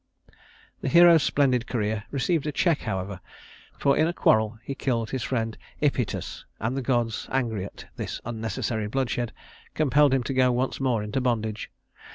[Illustration: Hercules serving Omphale] The hero's splendid career received a check, however, for in a quarrel he killed his friend Iphitus, and the gods, angry at this unnecessary bloodshed, compelled him to go once more into bondage.